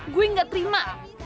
gue gak terima